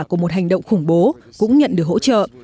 của một hành động khủng bố cũng nhận được hỗ trợ